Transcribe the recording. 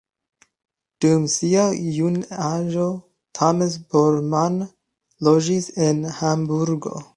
Dum sia junaĝo Thomas Bormann loĝis en Hamburgo.